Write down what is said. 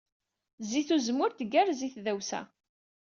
Zzit uzemmur tgerrez i tdawsa.